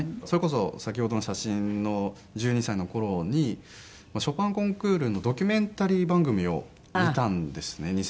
それこそ先ほどの写真の１２歳の頃にショパンコンクールのドキュメンタリー番組を見たんですね